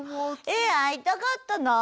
え会いたかったなあ。